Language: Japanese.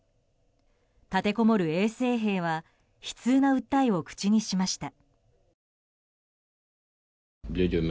立てこもる衛生兵は悲痛な訴えを口にしました。